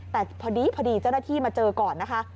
แต่พอดีเจ้าหน้าที่มาเจอก่อนนะคะ